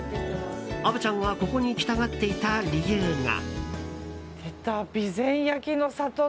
虻ちゃんがここに来たがっていた理由が。